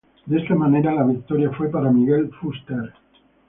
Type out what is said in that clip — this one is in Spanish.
De esta manera la victoria fue para Miguel Fuster.